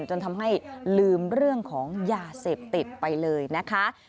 จนทำให้ลืมเรื่องของยาเสพติดไปเลยนะคะ